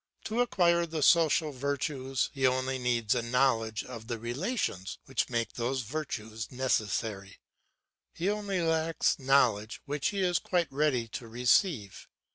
To acquire the social virtues he only needs a knowledge of the relations which make those virtues necessary; he only lacks knowledge which he is quite ready to receive.